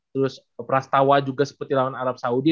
terus prastawa juga seperti lawan arab saudi